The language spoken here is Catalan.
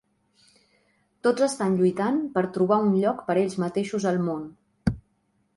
Tots estan lluitant per trobar un lloc per ells mateixos al món.